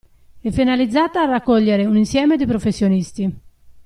È finalizzata a raccogliere un insieme di professionisti.